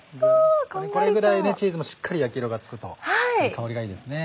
これぐらいチーズもしっかり焼き色がつくと香りがいいですね。ね